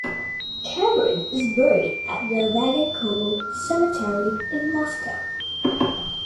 Kaverin is buried at the Vagankovo Cemetery in Moscow.